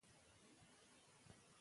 زده کوونکي باید ژمنتیا ولري.